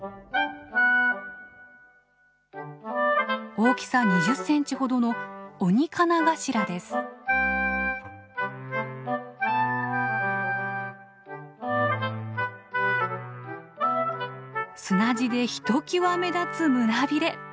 大きさ２０センチほどの砂地でひときわ目立つ胸びれ。